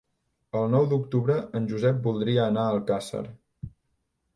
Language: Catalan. El nou d'octubre en Josep voldria anar a Alcàsser.